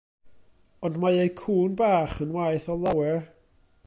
Ond mae eu cŵn bach yn waeth o lawer.